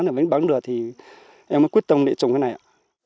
để mình bán được thì em mới quyết tâm để trùng cái này ạ